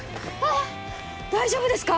大丈夫ですか！？